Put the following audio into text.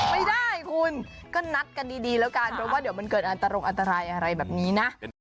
ไม่ได้คุณพร้อมกันดีแล้วกันว่าอันโรคอันตรายอะไรแบบมี่ะ